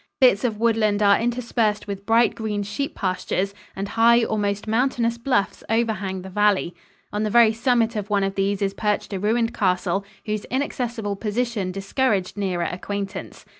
Bits of woodland are interspersed with bright green sheep pastures and high, almost mountainous, bluffs overhang the valley. On the very summit of one of these is perched a ruined castle, whose inaccessible position discouraged nearer acquaintance.